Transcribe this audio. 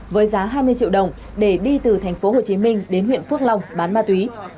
với giá hai mươi triệu đồng để đi từ tp hcm đến huyện phước long bán ma túy